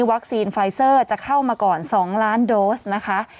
ไฟเซอร์จะเข้ามาก่อน๒ล้านโดสนะคะ